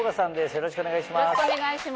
よろしくお願いします。